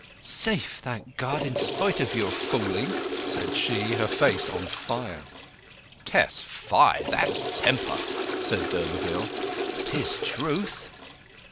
"Safe, thank God, in spite of your fooling!" said she, her face on fire. "Tess—fie! that's temper!" said d'Urberville. "'Tis truth."